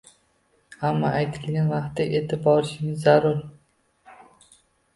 Ammo aytilgan vaqtda etib borishingiz zarur